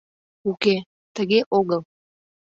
— Уке, тыге огыл.